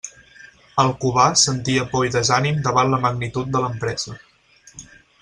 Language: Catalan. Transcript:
El Cubà sentia por i desànim davant la magnitud de l'empresa.